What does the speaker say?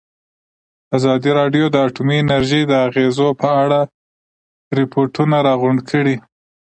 ازادي راډیو د اټومي انرژي د اغېزو په اړه ریپوټونه راغونډ کړي.